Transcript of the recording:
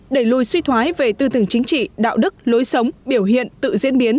đẩy lùi suy thoái về tư tưởng chính trị đạo đức lối sống biểu hiện tự diễn biến